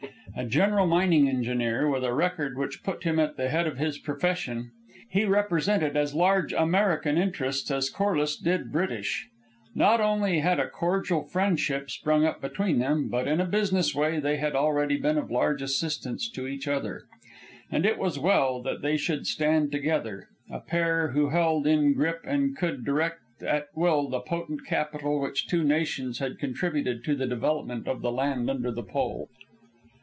A veteran mining engineer, with a record which put him at the head of his profession, he represented as large American interests as Corliss did British. Not only had a cordial friendship sprung up between them, but in a business way they had already been of large assistance to each other. And it was well that they should stand together, a pair who held in grip and could direct at will the potent capital which two nations had contributed to the development of the land under the Pole.